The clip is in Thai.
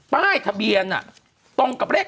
ป้ายทะเบียนตรงกับเลข